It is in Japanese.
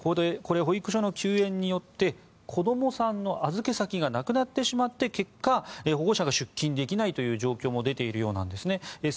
保育所の休園によって子どもさんの預け先がなくなってしまって結果、保護者が出勤できないという状況も出ているようなんですね。